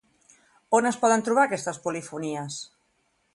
On es poden trobar aquestes polifonies?